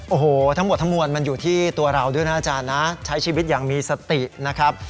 โอ้โหทั้งหมดทั้งมวลมันอยู่ที่ตัวเราด้วยนะอาจารย์นะใช้ชีวิตอย่างมีสตินะครับ